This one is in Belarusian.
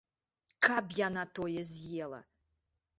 Каб яна тое з'ела!